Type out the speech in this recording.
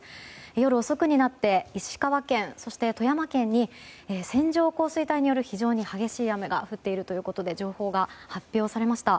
夜遅くになって石川県、そして富山県に線状降水帯による非常に激しい雨が降っているということで情報が発表されました。